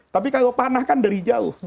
tapi kalau panah kan dari jauh